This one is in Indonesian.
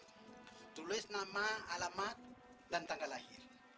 aku sudah tulis nama alamat dan tanggal lahir